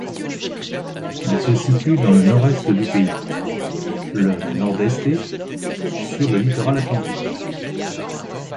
Il se situe dans le nord-est du pays, le Nordeste, sur le littoral atlantique.